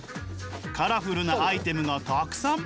カラフルなアイテムがたくさん。